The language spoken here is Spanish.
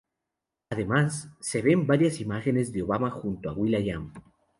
Además se ven varias imágenes de Obama junto a Will.i.am.